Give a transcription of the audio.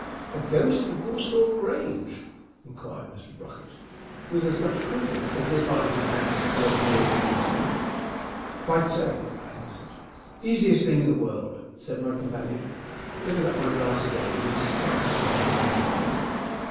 "A ghost for Goresthorpe Grange?" inquired Mr. Brocket with as much coolness as if I had asked for a drawing room suite. "Quite so," I answered. "Easiest thing in the world," said my companion, filling up my glass again in spite of my remonstrance.